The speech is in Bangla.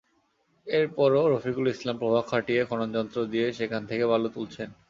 এরপরও রফিকুল ইসলাম প্রভাব খাটিয়ে খননযন্ত্র দিয়ে সেখান থেকে বালু তুলছেন।